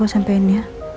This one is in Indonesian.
nanti aku sampein ya